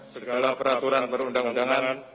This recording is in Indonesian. segala peraturan perundang undangan